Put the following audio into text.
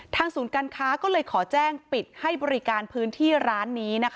ศูนย์การค้าก็เลยขอแจ้งปิดให้บริการพื้นที่ร้านนี้